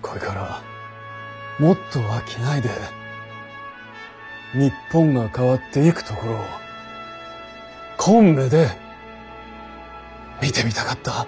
こいからもっと商いで日本が変わっていくところをこん目で見てみたかった。